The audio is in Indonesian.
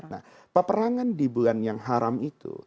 nah peperangan di bulan yang haram itu